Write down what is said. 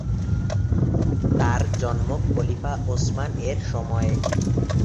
তার জন্ম খলিফা ওসমান এর সময়ে।